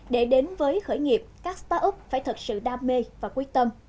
để đến với khởi nghiệp các start up phải thật sự đam mê và quyết tâm